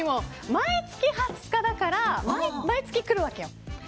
毎月２０日だから毎月来るわけよ。